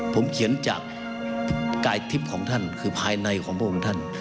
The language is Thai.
ผมเขียนจากกายทิพย์ของท่านคือภายในของพระองค์ท่าน